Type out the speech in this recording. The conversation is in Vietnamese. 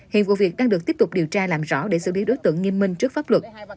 hiện vụ việc đang được tiếp tục điều tra làm rõ để xử lý đối tượng nghiêm minh trước pháp luật